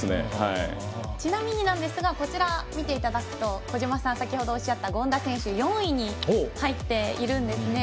ちなみにこちらを見ていただくと小島さんが先ほどおっしゃった権田選手は４位に入っているんですね。